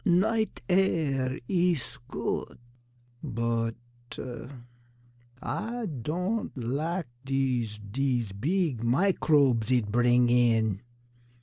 "Night air is good; but Ah don' lak dese dese beeg microbes eet bring in."